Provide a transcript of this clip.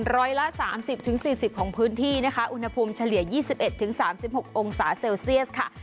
ร้อยละสามสิบถึงสี่สิบของพื้นที่นะคะอุณหภูมิเฉลี่ยยี่สิบเอ็ดถึงสามสิบหกองศาเซลเซียสค่ะ